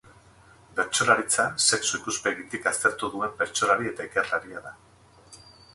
Bertsolaritza sexu-ikuspegitik aztertu duen bertsolari eta ikerlaria da.